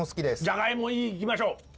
じゃがいもいいいきましょ。